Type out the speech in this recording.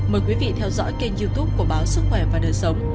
mời quý vị theo dõi kênh youtube của báo sức khỏe và đời sống